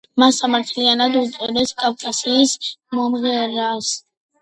მას სამართლიანად უწოდებენ კავკასიის მომღერალს.